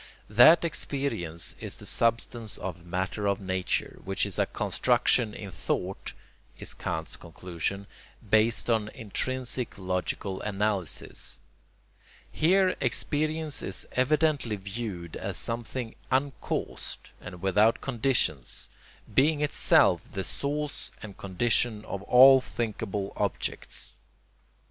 That experience is the substance or matter of nature, which is a construction in thought, is Kant's conclusion, based on intrinsic logical analysis. Here experience is evidently viewed as something uncaused and without conditions, being itself the source and condition of all thinkable objects.